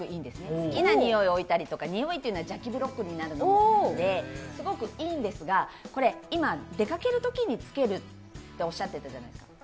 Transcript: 好きな匂いを置いたり、匂いというのは邪気ブロックになるのですごくいいんですが、今、出かけるときにつけるっておっしゃってたじゃないですか。